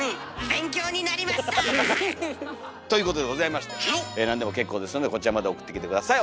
勉強になりました！ということでございまして何でも結構ですのでこちらまで送ってきて下さい。